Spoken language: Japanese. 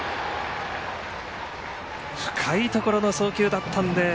深いところの送球だったので。